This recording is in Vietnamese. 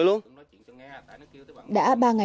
trương thành liêm đã nói chuyện cho nghe